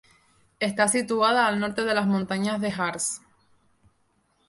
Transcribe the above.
Está situada al norte de las montañas del Harz.